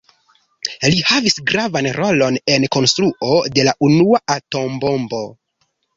Li havis gravan rolon en konstruo de la unua atombombo.